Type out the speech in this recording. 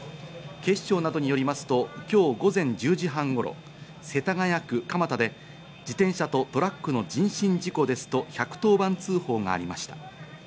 警視庁などによりますと、今日午前１０時半頃、世田谷区鎌田で自転車とトラックの人身事故ですと１１０番通報がありました。